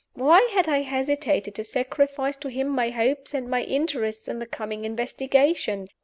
Why had I hesitated to sacrifice to him my hopes and my interests in the coming investigation?